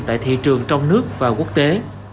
tại thị trường trong nước và quốc tế